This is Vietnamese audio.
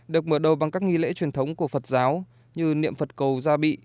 được mở đầu bằng các nghi lễ truyền thống của phật giáo như niệm phật cầu gia bị